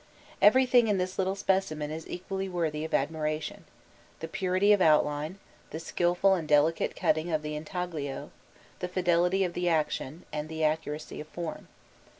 Everything in this little specimen is equally worthy of admiration the purity of outline, the skilful and delicate cutting of the intaglio, the fidelity of the action, and the accuracy of form.